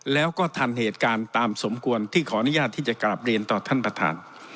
แล้วก็ทันเหตุการณ์ตามสมควรที่ขออนุญาตที่จะกลับเรียนต่อท่านประธาน